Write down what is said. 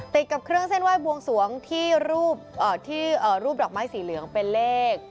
ติดกับเครื่องเส้นไหว้บวงสวงที่รูปดอกไม้สีเหลืองเป็นเลข